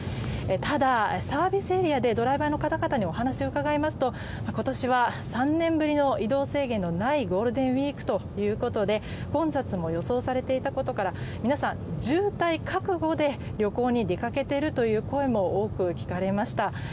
ただ、サービスエリアでドライバーの方々にお話を伺いますと今年は３年ぶりの移動制限のないゴールデンウィークということで混雑も予想されていたことから皆さん、渋滞覚悟で旅行に出かけているという声も多く聞かれました。